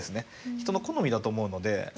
人の好みだと思うので。